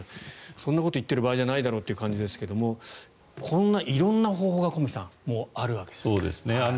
そんなこと言ってる場合じゃないだろうという感じですがこんな色んな方法が駒木さん、あるわけですね。